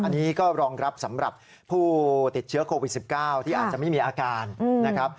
อันนี้ก็รองรับสำหรับผู้ติดเชื้อโควิด๑๙ที่อาจจะไม่มีอาการนะครับ